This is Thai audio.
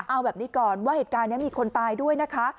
เอาแบบนี้ก่อนว่าเหตุการณ์นี้มีคนตายด้วยนะคะ